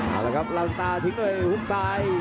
เอาละครับเล่าสตาร์ทิ้งด้วยฮุกซ้าย